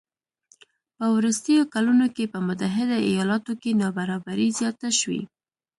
په وروستیو کلونو کې په متحده ایالاتو کې نابرابري زیاته شوې